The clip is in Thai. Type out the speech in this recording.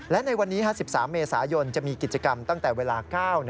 และในวันนี้๑๓เมษายนจะมีกิจกรรมตั้งแต่เวลา๙นาที